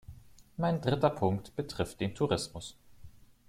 Mein dritter Punkt betrifft den Tourismus.